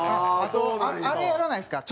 あれやらないですか？